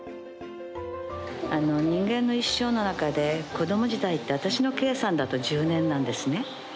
人間の一生の中で子供時代って私の計算だと１０年なんですね。